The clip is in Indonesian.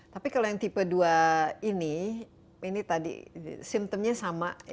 tapi kalau yang tipe dua ini ini tadi simptomnya sama